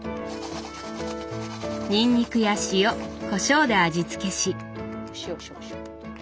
にんにくや塩・こしょうで味付けし。